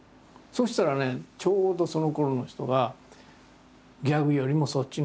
そうしたらねちょうどそのころの人がギャグよりもそっちのほうにいって。